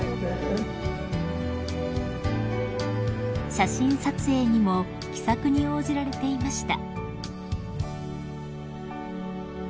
［写真撮影にも気さくに応じられていました］